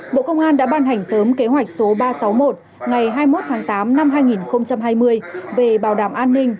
bộ công an đã ban hành sớm kế hoạch số ba trăm sáu mươi một ngày hai mươi một tháng tám năm hai nghìn hai mươi về bảo đảm an ninh